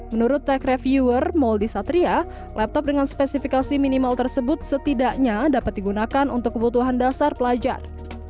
menurut tech reviewer mouldie satria laptop dengan spesifikasi minimal tersebut setidaknya dapat digunakan untuk kebutuhan dasar pelajar